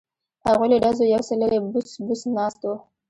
هغوی له ډزو یو څه لرې بوڅ بوڅ ناست وو.